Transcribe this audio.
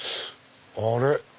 あれ？